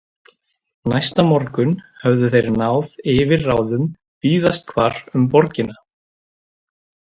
Næsta morgun höfðu þeir náð yfirráðum víðast hvar um borgina.